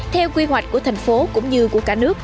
theo quy hoạch của thành phố cũng như của cả nước